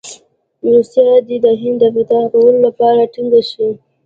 روسیه دې د هند د فتح کولو لپاره ټینګه شي.